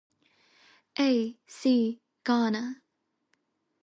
A. C. Garner.